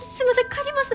帰ります！